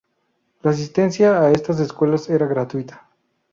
La asistencia a estas escuelas era gratuita.